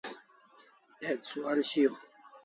Ek suhal shiaw